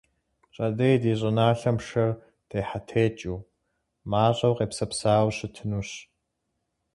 Пщэдей ди щӏыналъэм пшэр техьэтекӏыу, мащӏэу къепсэпсауэу щытынущ.